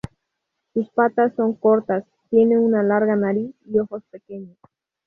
Sus patas son cortas, tiene una larga nariz y ojos pequeños.